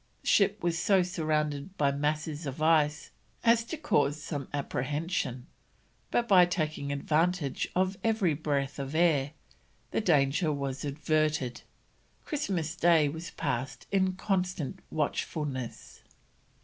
The ship was so surrounded by masses of ice as to cause some apprehension, but by taking advantage of every breath of air the danger was averted. Christmas Day was passed in constant watchfulness.